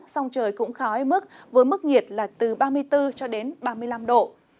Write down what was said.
song trời cũng khái mức với mức nhiệt là từ ba mươi bốn cho đến ba mươi năm độ